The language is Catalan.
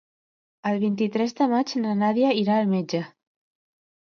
El vint-i-tres de maig na Nàdia irà al metge.